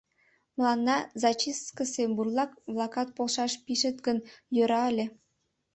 Мыланна зачисткысе бурлак-влакат полшаш пижыт гын, йӧра ыле.